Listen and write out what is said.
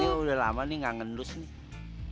iya udah lama nih gak ngendus nih